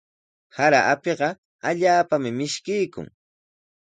Sara apiqa allaapami mishkiykun.